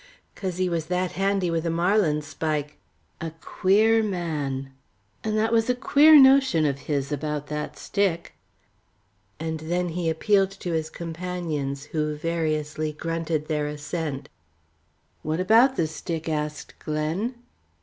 "'Cause he was that handy with a marlinspike. A queer man! And that was a queer notion of his about that stick"; and then he appealed to his companions, who variously grunted their assent. "What about the stick?" asked Glen.